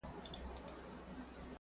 کله دې خوا کله ها خوا په ځغستا سو `